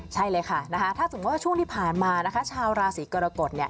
ใช่เลยค่ะถ้าสมมุติว่าช่วงที่ผ่านมานะคะชาวราศีกรกฎ